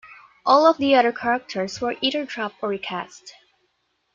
All of the other characters were either dropped or re-cast.